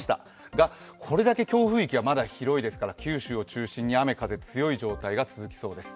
が、これだけ強風域がまだ広いですから、九州を中心に雨・風強い状態が続きそうです。